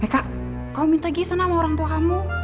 meka kau minta gisana sama orang tua kamu